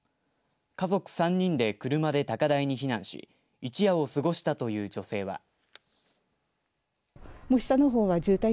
家族３人で車で高台に避難し一夜を過ごしたという女性は。